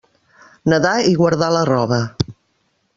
Nadar i guardar la roba.